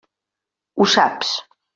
Ho saps.